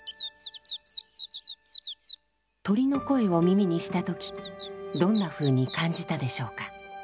鳥の声を耳にした時どんなふうに感じたでしょうか？